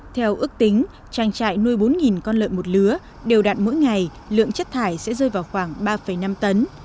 theo ước tính trang trại nuôi bốn con lợn một lứa đều đạn mỗi ngày lượng chất thải sẽ rơi vào khoảng ba năm tấn